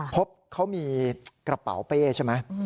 พบเขามีกระเป๋าเป้ใช่ไหม